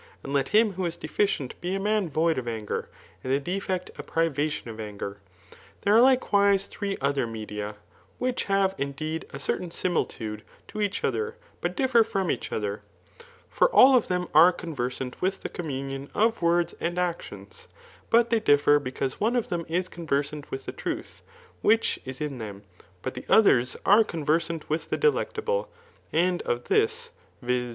And let him who is deficient be a man void of anger, and the defect a privation of angen Th^e are likewise three other media, which have, indeed) a certain simili tude to each other, but differ from each other* For all of them are conversant with the comtnunion of words and actions } but they differ, because one of them is con versant with the truth which is in them^ but the others are conversant with the delectable* And of this (viz.